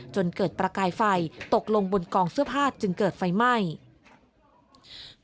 จนเกิดประกายไฟตกลงบนกองเสื้อผ้าจึงเกิดไฟไหม้